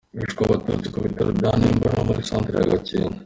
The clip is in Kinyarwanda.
Hishwe Abatutsi ku bitaro bya Nemba no muri Centre ya Gakenke.